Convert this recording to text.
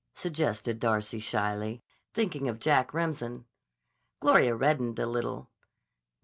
suggested Darcy shyly, thinking of Jack Remsen. Gloria reddened a little.